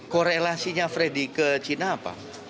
korelasinya freddy ke china apa